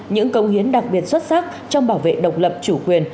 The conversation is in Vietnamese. những công hiến đặc biệt xuất sắc trong bảo vệ độc lập chủ quyền